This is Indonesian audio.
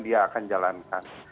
dia akan jalankan